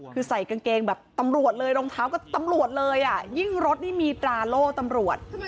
คือใส่กางเกงแบบตำรวจเลยรองเท้าก็ตำรวจเลยอ่ะยิ่งรถนี่มีตราโล่ตำรวจ